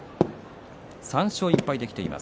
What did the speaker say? ３勝１敗で、きています。